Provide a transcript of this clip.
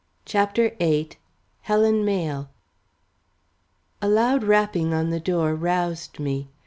CHAPTER VIII HELEN MAYLE A loud rapping on the door roused me.